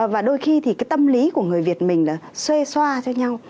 và đôi khi thì cái tâm lý của người việt mình là xuê xoa cho nhau